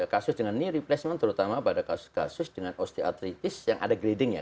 kasus dengan knee replacement terutama pada kasus kasus dengan osteoartritis yang ada grading ya